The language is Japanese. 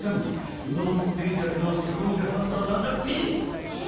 のんびりだけどすごうでハンターなんだっぺ。え？